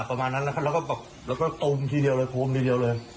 ประมาณนั้นนะครับแล้วก็แบบแล้วก็ตูมทีเดียวเลยตูมทีเดียวเลย